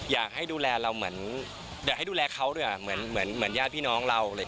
อยากให้ดูแลเราเหมือนอยากให้ดูแลเขาด้วยเหมือนญาติพี่น้องเรา